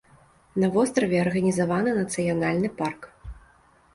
На востраве арганізаваны нацыянальны парк.